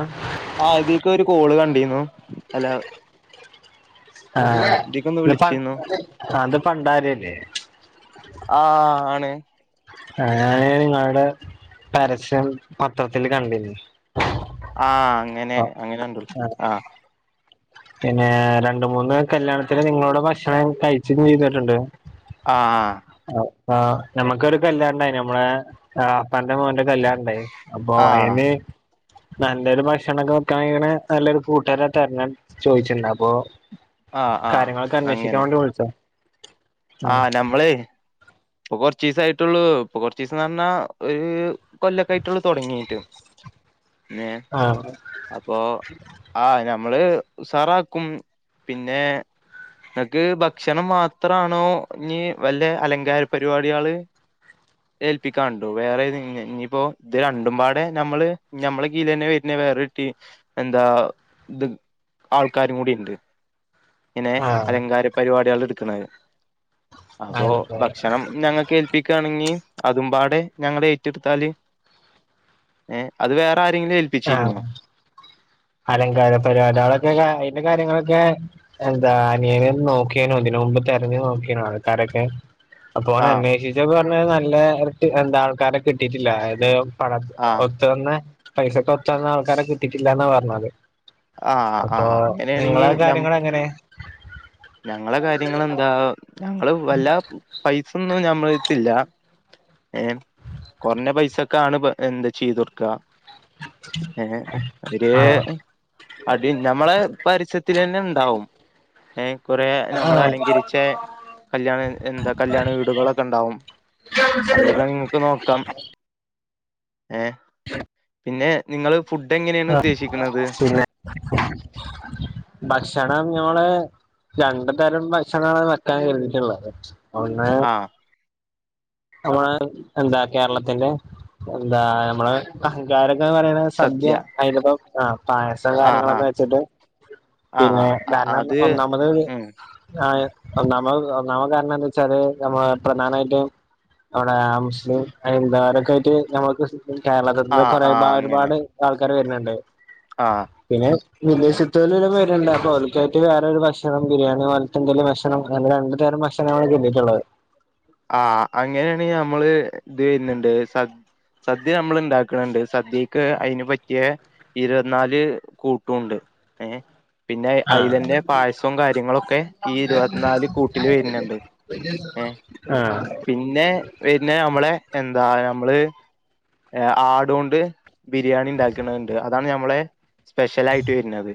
ആഹ് ആ ഇതിക് ഒരു കോൾ കണ്ടിന്നു അല്ല ആഹ് ഇതിക്കൊന്ന് വിളിച്ചിന്നു ഇത് പണ്ടാരല്ലേ ആഹ് ആണ് ഞാന് നിങ്ങളുടെ പരസ്യം പത്രത്തില് കണ്ടിന്ന് ആഹ അങ്ങനെ അങ്ങനെ ഉണ്ടല്ല ആഹ് പിന്നെ രണ്ട് മൂന്ന് കല്യാണത്തിൽ നിങ്ങളോട് ഭക്ഷണം കഴിച്ചും ചെയ്തിട്ടുണ്ട് ആഹ് നമുക്കൊരു കല്യാണ ഉണ്ടായി നമ്മളെ എളാപ്പാന്റെ മോന്റെ കല്യാണ ഉണ്ടായിന്നു അപ്പൊ ആ അതിന് നല്ലൊരു ഭക്ഷണംക്കെ വെക്കാം ക്കയ്യിണെ നല്ലൊരു കൂട്ടരെ തെരഞ്ഞെ ചോയിച്ച്ണ്ട് അപ്പൊ ആ ആ കാര്യങ്ങളൊക്കെ അന്വേഷിക്കാൻ വാണ്ടി വിളിച്ചതാ ആഹ് ഞമ്മളെയ് ഇപ്പൊ കൊറച്ചീസയിട്ടുള്ളൂ ഇപ്പൊ കൊറച്ചീസന്ന് പറഞ്ഞാ ഒരു കൊല്ലൊക്കെ ആയിറ്റൊള്ളു തൊടങ്ങീറ്റ് [unintelligible] ആഹ് അപ്പൊ ആ ഞമ്മള് ഉസാറാക്കും പിന്നെ ഇങ്ങക്ക് ഭക്ഷണം മാത്രണോ ഇഞ് വല്ല അലങ്കാര പരിവാടിയാള് ഏൽപ്പിക്കാണ്ടു വേറെ ഇഞ്ഞിപ്പോ ഇത് രണ്ടുംപാടെ ഞമ്മള് ഞമ്മളെ കീയിലെന്നെ വെ ര്നെ വേറ ട്ടീ എന്താ ഇത് ആൾക്കാരും കൂടിണ്ട് ഇങ്ങനെ ആഹ് അലങ്കാര പരിവാടിയാള് ഇട്ക്ക്ണത് അപ്പൊ ഭ ആഹ് ഞങ്ങൾക്ക് ഏൽപ്പിക്കാണെങ്കി അതുംപാടെ ഞങ്ങടെ ഏറ്റെടുത്താല് ഏഹ് അത് വേറെ ആരെങ്കിലും ഏൽ ആഹ് അലങ്കാര പരിവാടിയാളൊക്കെ ക്കാ അയിന്റെ കാര്യങ്ങളൊക്കെ എന്താ അനിയന് നോക്കിനോ ഇതിന് മുമ്പ് തെരഞ്ഞു നോക്കിനോ ആൾക്കാരൊക്കെ അപ്പൊ ഓന ആ അന്വേഷിച്ചപ്പൊ പറഞ്ഞെ നല്ല എന്താ ആൾക്കാരെ കിട്ടിറ്റില്ല ആയത് പട ആ ഒത്തുവെന്ന പൈസക്കൊത്തു വന്ന ആൾക്കാരെ കിട്ടിറ്റില്ലാന്നാ പറഞ്ഞത് ആ ആ അപ്പൊ അങ്ങനെയാണെങ്കി നിങ്ങളെ കാര്യങ്ങളെങ്ങനെ ഞങ്ങളെ കാര്യങ്ങളെന്താ ഞങ്ങള് വല്ലാതെ പൈസൊന്നും ഞമ്മളെര്ത്തില്ല ഏഹ് കൊറഞ്ഞ പൈസക്കാണ് പ്പ എന്ത ചെയ്തൊട്ക്ക ഏഹ് അവിര് ആ അതി ഞമ്മളെ പരിസ്യത്തിലെന്നെ ഇണ്ടാവും ഏഹ് കുറേ ആ ഞമ്മൾ അലങ്കരിച്ചെ കല്യാണ എന്താ കല്യാണ വീടുകളൊക്കെ ഇണ്ടാവും [unintelligible] നോക്കാം ഏഹ് [unintelligible] പിന്നെ നിങ്ങള് ഫുഡ് എങ്ങനേണ് ഉദ്ദേശിക്ക്ണത് പിന്നെ ഭക്ഷണം ഞമ്മള് രണ്ട് തരം ഭക്ഷണണ് വെക്കാൻ കെര്തീറ്റ്ള്ളത് ഒന്ന് ആ നമ്മള് എന്താ കേരളത്തിന്റെ എന്താ ഞമ്മള് അഹങ്കാരങ്ക എന്ന് പറയ്ണത് സദ്യ അതിന്റെപ്പം ആ പായ സം ആ ആ കാര്യങ്ങളൊക്കെ വെച്ച്ട്ട് ആ പിന്നെ ആ കാരണം അത് ഒന്നാമത് ഉം ആ ഒന്നാമ്മത് ഒന്നാമ്മ കാരണം എന്താ വെച്ചാല് നമ്മള് പ്രധാനായിറ്റും അവിടെ മുസ്ലിം ഹൈന്ദവരൊക്കെ ആയിറ്റ് ഞമ്മക്ക് ആ കേരളകത്തിന്റെ കുറെ ആ ഒരുപാട് ആൾക്കാര് വര്ന്ണ്ട് ആഹ് പിന്നെ വിദേശത്തോല്ലും വര്ന്ണ്ട് അപ്പൊ ഓൽക്കായിട്ട് വേറെ ഒരു ഭക്ഷണം ബിരിയാണി പൊ ഇന്ത്യയിലെ ഭക്ഷണം അങ്ങനെ രണ്ടുതരം ഭക്ഷണാണ് കര്തീറ്റ്ള്ളത് ആഹ് അങ്ങനേണ് ഞമ്മള് ഇത് വര്ന്ണ്ട് സ സദ്യ ഞമ്മള് ഇണ്ടാക്ക്ണ് ണ്ട് സദ്യെക്ക് അയ്നു പറ്റിയേ ഇരുവത്ത്നാല് കൂട്ടുണ്ട് ഏഹ് പിന്നെ ആ അയിലെന്നെ പായസോം കാര്യങ്ങളൊക്കെ ഈ ഇരുവത്ത്നാല് കൂട്ടില് വര്ന്ണ്ട് ഏഹ് ആഹ് പിന്നെ വര്നത് അമ്മളെ എന്താ ഞമ്മള് എ ആടോണ്ട് ബിരിയാണി ഇണ്ടാക്ക്ണത് ഇണ്ട് അതാണ് ഞമ്മളെ സ്പെഷ്യലായിട്ട് വെര്നത്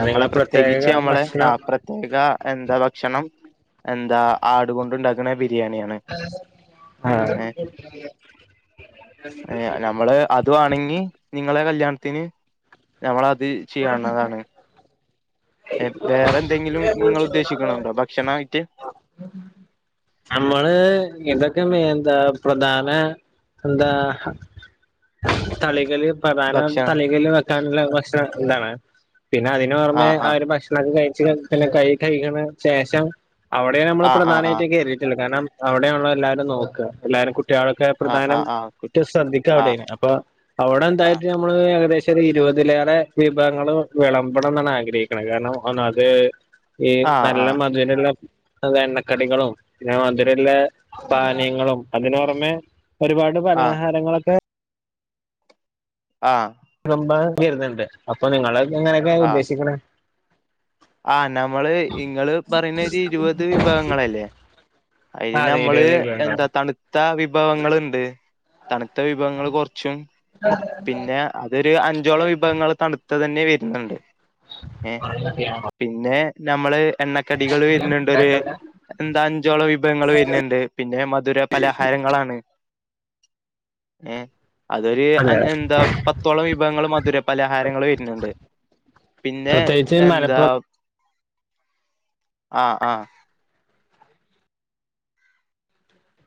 നമ്മളെ നിങ്ങള് പ്രത്യേകിച്ച് പ്രത്യേക നമ്മളെ ഭക്ഷണം ആഹ് പ്രത് ത്യേക എന്താ ഭക്ഷണം എന്താ ആടുകൊണ്ടുണ്ടാക്ക്ണ ബിര്യേണ്യാണ്. ആഹ്. തു വാണെങ്ങി നിങ്ങളെ കല്യാൺത്തിന് ഞമ്മളത് ചെയ്യവുന്നതാണ്. എഹ് വേറെന്തെങ്കിലും നിങ്ങള് ഉദ്ദേശിക്കണുണ്ടോ ഭക്‌ഷണായിട്ട്. നമ്മള് ഇതൊക്കെ മേ എന്താ പ്രധാന എന്താ. തളികല്. പ്രധാന ഭക്ഷണം തളികല് വെക്കാനുള്ള ഭക്ഷണം എന്താണ് പിന്നെ അതിന് ആ പൊറമെ ആ ആരും ഭക്ഷ അത് കഴിച്ചിനേശം തന്നെ കൈ കഴിക്ണ ശേഷം അവിടെ നമ്മള് ആ ആ ആ പ്രധാനായിറ്റും കേറീട്ടുള്ളൂ കാരണം. അവിടെണല്ലോ എല്ലാവരും നോക്കുക എല്ലാരും കുട്ട്യള്. ക്കെ ആ ആ പ്രധാനം ആ ആ റ്റ് ശ്രദ്ധിക്ക ആ അവിടെണ് അപ്പൊ അവിടെ എന്തായിട്ട് നമ് നമ്മള് ഏകദേശൊര് ഇരുപതിലേറെ. വിഭവങ്ങള് വെളമ്പണംന്നാണ് ആഗ്രഹിക്കണത് കാരണം ഒന്നത് ഈ ആ നല്ല മ തിനുള്ള. ടതെണ്ണക്കടികളും പിന്നെ മധ് രല്ലെ പാനീയങ്ങളും അതിനൊർമെ. ഒരുപാട് ആ പലഹാരങ്ങളൊക്കെ. ആഹ്. വെളമ്പാൻ വരുന്നുണ്ട് അപ്പൊ നിങ്ങളൊക്കെ എങ്ങനൊക്കെയാ ആ ഉദ്ദേശിക്ക്ണേ. ആഹ് നമ്മള് ഇങ്ങള് പറയുന്ന ഒരു ഇരുപത് വിഭവങ്ങളല്ലേ. അയിന് അതെ നമ്മള് ഇരുപത് വിഭവങ്ങൾ എന്താ തണു ത്ത വിഭവങ്ങള്ണ്ട് തണുത്ത വിഭവങ്ങള് കൊർച്ചും പിന്നെ. അതൊര് അഞ്ചോളം വിഭവങ്ങള് തണുത്തതന്നെ വരുന്നുണ്ട് ഏഹ്. [unintelligible] പിന്നെ നമ്മള്. എണ്ണക്കടികള് വരന്ണ്ടൊര് എന്താ അഞ്ചോളം വിഭവങ്ങള് വര്ന്ണ്ട്. പിന്നെ മധുര പലഹാരങ്ങളാണ് ഏഹ്. അതൊര് അ അതെ എന്താ പത്തോളം വിഭവങ്ങള് മധുര പലഹാരങ്ങള് വര്ന്ണ്ട്. പിന്നെ. പ്രത്യേകിച്ച് മലപ്പുറം ആഹ് ആഹ് ആഹ്.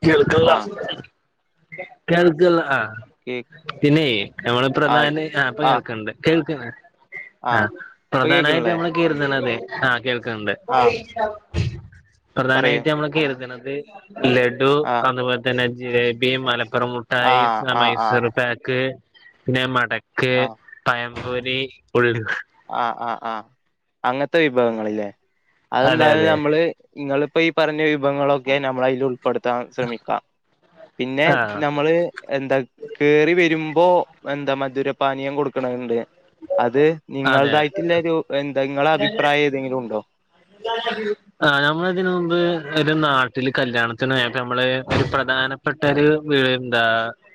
കേൾക്കൺല്ല ആഹ് കേൾക്കല്ലഹ്. കേക്ക് പിന്നെയ് നമ്മള് ആഹ് പ്രധാന ആ പ്പ ആഹ് കേൾക്കൺണ്ട് കേൾക്ക്ണ്. ആഹ് ഇപ്പൊ പ്രധാനായിട്ട് കേൾക്കണില്ലേ നമ്മള് കെര്ത്ണത് ആഹ് കേൾക്കൺണ്ട്. ആഹ് പറയൂ പ്രധാനായിട്ട് നമ്മള് കെര്ത്ണത് ലഡു ആഹ് അതുപോൽ തന്നെ ജിലേബിയും മലപ്പുറം മു ട്ടായി ആഹ് സ ആഹ് ആഹ് മൈസൂറ് പാ ക്ക് പിന്നെ മടക്ക് ആഹ് പയംപൊരി ഉഴു ആഹ് ആഹ് ആഹ് അങ്ങൻത്തെ വിഭവങ്ങള് ലേ അതെ അതെന്തായാലും അതെ നമ്മള്. ഇങ്ങള്പ്പ ഈ പറഞ്ഞ വിഭവങ്ങളൊ ക്കെ നമ്മളയില് ഉൾപ്പെടുത്താൻ ശ്രമിക്കാം പിന്നെ ആഹ് നമ്മള്. എന്ത കേറി വരുമ്പോ എന്താ മധുരപാനീയം കൊടുക്കണത്ണ്ട് അത്. അതെ നിങ്ങൾതായിട്ടുല്ലരു എന്താ ങ്ങള അഭിപ്രായ ഏതെങ്കിലുണ്ടോ. [unintelligible] ആഹ് ഞ്ഞമ്മളിതിനു മുമ്പ് ഒരു നാട്ടില് കല്യാണത്തിന് പോയപ്പൊ നമ്മള് ഒരു പ്രധാന പട്ടൊരു എന്താ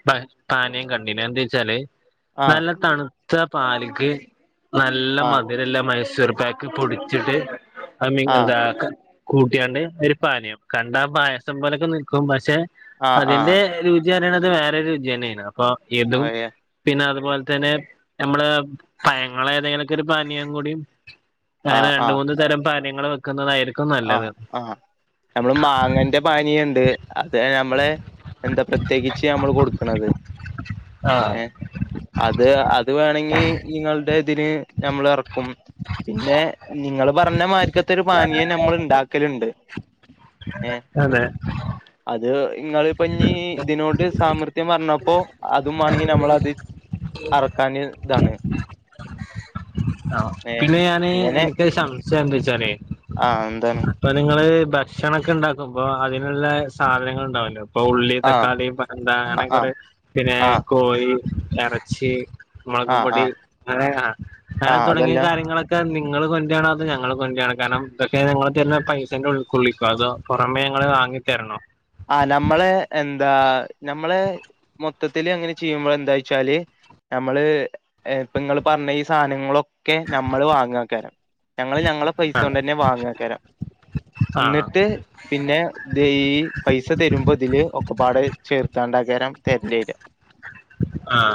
പ പാനീയം കണ്ടിന് എന്തേച്ചാല്. ആഹ് നല്ല തണുത്ത പാല്ക്ക് നല്ല ആഹ് മതി രല്ലാ മൈസൂർ പാക്ക് പൊടിച്ചിട്ട് അ മി ആഹ് എന്താ. കൂട്ടിയാണ്ട് ഒരു പാനീയം കണ്ടാ പായസം പോലൊക്കെ നിൽക്കും പക്ഷെ ആഹ് അതിന്റെ രു ചി പറയണത് വേറൊരു രുചിയെന്നേണ് അപ്പൊ ഇതും ആഹ് പിന്നെ അതുപോലെ തന്നെ നമ്മളെ പഴങ്ങളെ ഏതെങ്കിലുമൊക്കെ ഒരു പാനീയം കൂടി അങ്ങനെ ആഹ് രണ്ട് ആഹ് മൂന്ന് തരം പാനീയങ്ങൾ വെക്കുന്നതായിരി ആഹ് ആഹ് നമ്മള് മാങ്ങന്റെ പാനീയണ്ട് അത് നമ്മള് എന്താ പ്രത്യേകിച്ച് നമ്മള് കൊടുക്ക്ണത് ആഹ് അത് അത് വേണെങ്കി ഇഞ്ഞ്ങ്ങൾടെ ഇതിന് നമ്മൾ എറക്കും. പിന്നെ നിങ്ങള് പർഞ്ഞ മായ്രിക്കത്ത ഒരു പാനീയം ന മ്മൾ ഇണ്ടാക്കല്ണ്ട് ഏഹ് അതെ അത് ഇങ്ങളിപ്പൊ ഇഞ്ഞി ഇതിനോട് സാമർത്ഥ്യം പർഞ്ഞപ്പോ അതും മാണെങ്കി നമ്മളത് അറക്കാന് ഇതാണ് ആഹ് ഏ പിന്നെ ഞാന് എനിക്ക് [unintelligible] ആഹ് എന്താണ്. ഇപ്പൊ നിങ്ങള് ഭക്ഷണൊക്കെ ഉണ്ടാക്കുമ്പോ അതിനുള്ള സാധനങ്ങൾ ഉണ്ടാവൽ ഇപ്പൊ ഉള്ളി ആ തക്കാളി പ എന്താ അങ്ങനെ ആ ആ കുറെ പിന്നെ ആ കോഴി എറച്ചി മുളക് ആ ആ പൊടി അങ്ങനെ ആഹ് ആ അങ്ങനെ തുടങ്ങിയ അതല്ല കാര്യങ്ങളൊ ക്കെ നിങ്ങള് കൊണ്ട്രാണോ അതോ ഞങ്ങള് കൊണ്ട്രാണോ കാരണം ഇതൊക്കെ ഞങ്ങള് തര്ണ പൈസൻ്റെ ഉൾക്കൊള്ളിക്കോ അതോ പുറമേ ഞങ്ങള് വാങ്ങി തരണോ ആഹ് നമ്മളെ എന്താ നമ്മളെ മൊത്തത്തില് അങ്ങനെ ചെയ്യുമ്പള് എന്താ വച്ചാല് ഞമ്മള് ഇപ്പങ്ങള് പർഞ്ഞ ഈ സാനങ്ങളൊ ക്കെ നമ്മള് വാങ്ങാക്കാരം ഞങ്ങള് ഞങ്ങളെ ആഹ് പൈസോണ്ടെന്നെ വാങ്ങേക്കാരം. ആഹ് ഇന്നട്ട് പിന്നെ ദേ ഈ പൈസ തരുമ്പോ ഇതില് ഒക്കപ്പാടെ ചേർത്താണ്ടകാരം തെരണ്ടിവര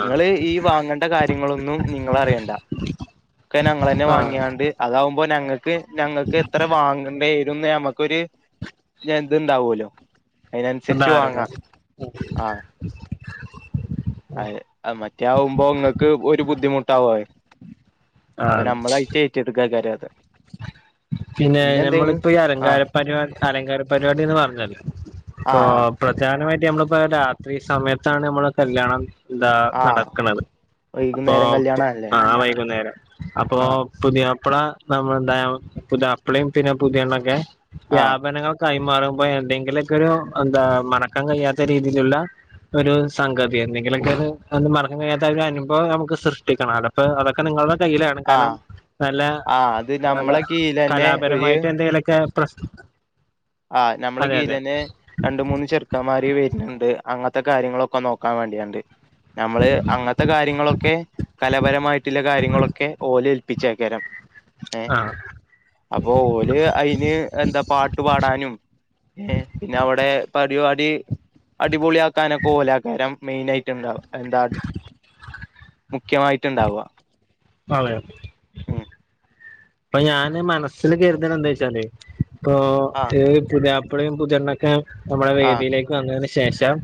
നിങ്ങള് ഈ വാങ്ങ ണ്ട കാര്യങ്ങളൊന്നും നിങ്ങള് അറിയണ്ട ഒക്കെ ഞങ്ങളന്നെ ആഹ് വാങ്ങിയാണ്ട് അതാവുമ്പോ നങ്ങക്ക് നങ്ങക്ക് എത്ര വാങ്ങണ്ട്യേരുംന്ന് ഞമ്മക്കൊരു ഞാ ഇത്ണ്ടാവുലോ അയിനൻസരിച്ച് ധാരണ വാങ്ങാ ആഹ് അഹ് മറ്റേ ആവുമ്പോം ഇങ്ങക്ക് ഒരു ബുദ്ധിമുട്ടാവൊത്. അപ്പം ആഹ് നമ്മളായിട്ട് ഏറ്റെടുക്കെകാരം അത് പിന്നെ എന്തെങ്കിലും ഞമ്മളിപ്പ ഈ അലങ്കാര ആഹ് പരിവാ അലങ്കാര പരിപാടി ന്ന് പർഞ്ഞല്ലോ അപ്പൊ ആഹ് പ്രധാനമായിട്ട് നമ്മളിപ്പോ രാത്രി സമയത്താണ് നമ്മളെ കല്യാണം എന്താ ആഹ് നടക്ക്ണത് വൈകുന്നേരം അപ്പോം കല്യാണല്ലേ ആഹ് വൈകുന്നേരം അപ്പോ ആഹ് പുതിയാപ്പള നമ്മളുടേം പുതിയാപ്പിളയും പിന്നെ പുതിയണ്ണൊക്കെ യീ ആഹ് ആഭരണങ്ങളൊ കൈമാറുമ്പോ എന്തെങ്കിലൊക്കൊരു എന്താ മറക്കാൻ കഴിയാത്ത രീതിലുള്ള ഒരു സംഗതി എന്തെങ്കിലൊക്കൊരു അത് മറക്കാൻ കഴിയാത്ത ഒരു അനുഭവം നമുക്ക് സൃഷ്ടിക്കണല്ലോ പ്പെ അതൊക്കെ നിങ്ങളുടെ കയ്യിലാണ് കാരണം ആഹ് നല്ല, ആഹ് അത് അതെ. നമ്മളെ കീഴിലന്നെ ഒരു കലാപരമായിട്ട് എന്തെങ്കിലൊക്കെ പ്രശ് ആഹ് നമ്മളെ അതെ അതെ കീയിലന്നെ രണ്ട് മൂന്ന് ചെറ് ക്കമാര് വര്ന്ണ്ട് അങ്ങത്തെ കാര്യങ്ങളൊക്കെ നോക്കാൻ വേണ്ടിയാണ്ട്. നമ്മള് അങ്ങത്തെ കാര്യങ്ങളൊക്കെ കലാപരമായിട്ട്ല്ലെ കാര്യങ്ങളൊക്കെ ഓല് ഏൽപ്പിച്ചേക്കരം. ഏഹ് ആഹ് അപ്പൊ ഓല് അയിന് എന്താ പാ ട്ട് പാടാനും ഏഹ് പിന്നെ അവിടെ പരിപാടി അടിപൊളി ആക്കാനൊക്കെ ഓലാക്കാരം മെയിനായിട്ട് ഇണ്ടാവാ എന്താ ഖ്യമായിട്ട്ണ്ടാവാ നാളെയോ ഉം പ്പൊ ഞാന് മനസ്സില് കെര്തണതെന്താച്ചാല് ഇപ്പൊ ആഹ് പുതിയാപ്ലയും പുതിയെണ്ണോ നമ്മളെ ആഹ് വേദിയിലേക്ക് വന്നതിന് ശേഷം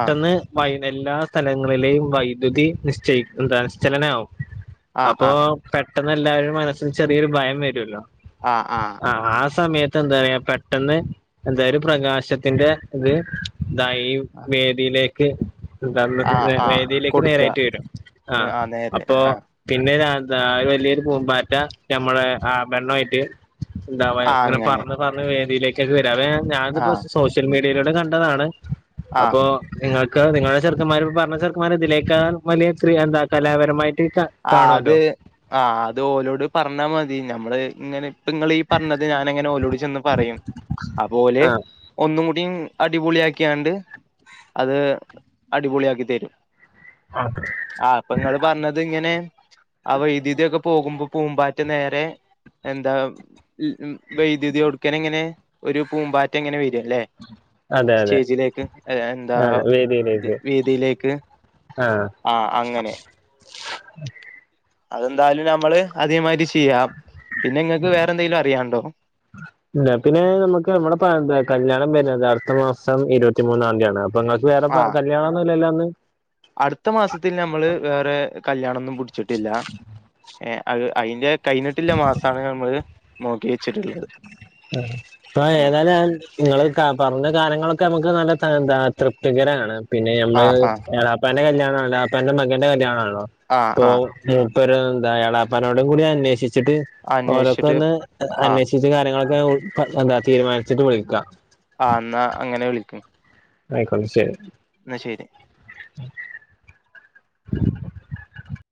ആഹ് വൈ എല്ലാ സ്ഥലങ്ങളിലെയും വൈദ്യുതി നിശ്ചയി ന്താ ശ്ചലനാവും ആഹ് അപ്പൊ പെട്ടെന്ന് എല്ലാരും മനസ്സില് ചെറിയൊരു ഭയം വെരൊല്ലോ ആ ഹ ആ ആ ആ സമയത്ത് എന്താ പറയാ പെട്ടെന്ന് എന്താ ഒരു പ്രകാശത്തിന്റെ ഇത് ത ഈ വേദിലേക്ക് ആഹ് [unintelligible] ആഹ് വേദിലേക്ക് കൊടുക്ക നേരായിട്ട് വെരും ആ ആഹ് നേരെ അപ്പൊ ആഹ് പിന്നെ [unintelligible] വല്യോരു പൂമ്പാറ്റ നമ്മളെ ആ പെണ്ണു ആയിട്ട് ഉണ്ടാവാ അങ്ങനെ പർഞ് പർഞ്ഞ് വേദിയിലേക്കൊക്കെ വെരാ അവ ഞാനിതിപ്പോ ആഹ് സോഷ്യൽ മീഡിയയിലൂടെ കണ്ടതാണ് ആഹ് അപ്പോ നിങ്ങൾക്ക് നിങ്ങളെ ചെറുക്കന്മാര് പറഞ്ഞ ചെറുക്കന്മാര് ഇതിലേക്കാൾ വലിയ എന്താ കലാപരമായിട്ട് ആ കാണുമല്ലോ അത് ആ അത് ഓലോട് പറഞ്ഞാ മതി ഞമ്മള്ങ്ങനെ പ്പങ്ങളീ പർഞ്ഞത് ഞാനെങ്ങനെ ഓലോട് ചെന്ന് പറയും അപ്പോല് ആ ഒന്നും കൂടിം അടിപൊളിയാക്കിയാണ്ട് അത് അടിപൊളിയാക്കി തെരും ആ പ്പൊങ്ങള് പറഞ്ഞത്ങ്ങനെ അ വൈദ്യുതിക്കെ പോകുമ്പോ പൂമ്പാറ്റ നേരെ എന്താ വൈദ്യുത്യോട്ക്കനങ്ങനെ ഒരു പൂമ്പാറ്റങ്ങനെ വെര ല്ലെ അതെ അതെ സ്റ്റേജിലേക്ക് എന്താ വേദിയിലേക്ക് ആഹ് ആ അങ്ങനെ അതെന്തായാലും ഞമ്മള് അതേമാരി ചെയ്യാ പിന്നെ ങ്ങക്ക് വേറെന്തെങ്കിലും അറിയാണ്ടോ ഇല്ല പിന്നെ നമ്മക്ക് നമ്മടെ പ കല്യാണം വെര്ണത് അട്ത്ത മാസം ഇരുപത്തിമൂന്നാന്തിയാണ് അപ്പൊ ങ്ങ വേറെ ആ പ കല്യാണൊന്നുല്ലല്ലോ അന്ന് അടുത്ത മാസത്തിൽ നമ്മള് വേറെ കല്യാണൊന്നും പുടിച്ച്ട്ടില്ല ഏ അത് അയ്ന്റെ കയ്ഞ്ഞിട്ടില്ല മാസാണ് നമ്മള് നോക്ക്യേച്ച്ട്ട്ള്ളത് അ പ്പ ഏതായാലും ങ്ങള് പറഞ്ഞ കാര്യങ്ങളൊക്കെ നമ്മക്ക് നല്ല ന്താ തൃപ്തികരാണ് പിന്നെ ആ ഞമ്മള് ആ എളാപ്പാന്റെ കല്യാണം എളാപ്പാന്റെ മകന്റെ കല്യാണല്ലോ ആ ഇപ്പൊ ആ മുപ്പര് ന്താ എളാപ്പാനോടും കൂടി അന്വേഷിച്ചിട്ട് അന്വേഷിച്ചിട്ട് ആ അന്വേഷിച്ച കാര്യങ്ങളൊക്കെ എന്താ തീരുമാനിച്ചിട്ട് വിളിക്കാ ആ ന്നാ അങ്ങനെ വിളിക്ക്‌ അയ്ക്കോട്ടെ ശെരി ന്ന ശെരി [inaudible] [inaudible]